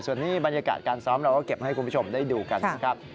ส่วนนี้บรรยากาศการซ้อมเราก็เก็บให้คุณผู้ชมได้ดูกันนะครับ